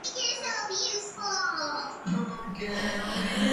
ლექსებს ფრანგულად წერდა.